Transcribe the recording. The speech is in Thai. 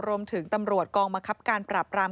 รวมถึงตำรวจกองบังคับการปราบราม